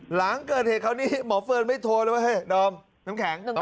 หลังเกิดเหตุคราวนี้หมอเฟิร์นไม่โทรเลยว่าเฮ้ยดอมน้ำแข็ง